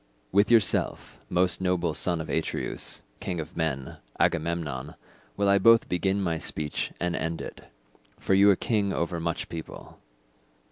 "With yourself, most noble son of Atreus, king of men, Agamemnon, will I both begin my speech and end it, for you are king over much people.